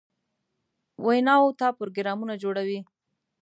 ویناوو ته پروګرامونه جوړوي.